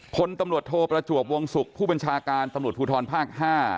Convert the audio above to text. พลตำรวจโทประจวบวงศุกร์ผู้บัญชาการตำรวจภูทรภาค๕